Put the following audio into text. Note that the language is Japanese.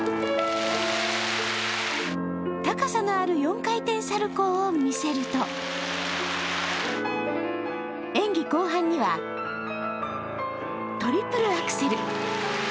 高さのある４回転サルコウを見せると、演技後半にはトリプルアクセル。